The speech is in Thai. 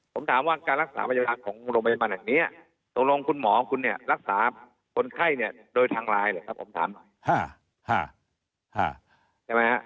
ผมถามว่าการรักษาพยาบาลของโรงพยาบาลแบบนี้ตรงรองคุณหมอคุณเนี่ยรักษาคนไข้เนี่ยโดยทางลายเลยครับผมถาม